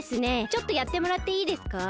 ちょっとやってもらっていいですか？